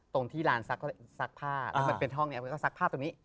ที่ลานซักผ้าแล้วมันเป็นห้องนี้มันก็ซักผ้าตรงนี้